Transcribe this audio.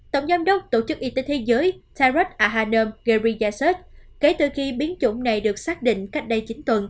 tổng giám đốc tổ chức y tế thế giới tyrod ahanom geriaset kể từ khi biến chủng này được xác định